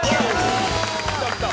きたきた！